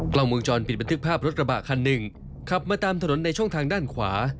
กล้องวงจรปิดบันทึกภาพรถกระบะคันหนึ่งขับมาตามถนนในช่องทางด้านขวา